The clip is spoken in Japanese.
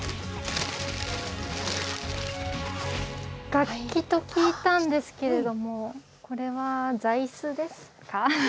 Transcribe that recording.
楽器と聞いたんですけれどもこれは座椅子ですか？